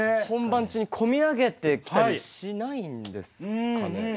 本番中にこみ上げてきたりしないんですかね？